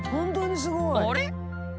あれ？